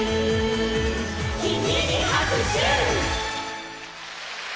「キミにはくしゅ！」